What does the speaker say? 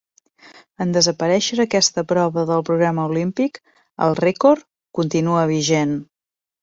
En desaparèixer aquesta prova del programa olímpic el rècord continua vigent.